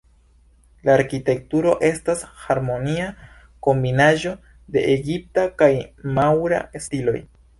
La arkitekturo estas harmonia kombinaĵo de egipta kaj maŭra stiloj.